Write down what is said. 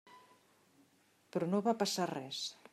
Però no va passar res.